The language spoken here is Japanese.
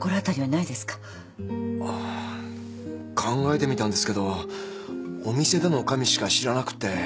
あっ考えてみたんですけどお店での女将しか知らなくて。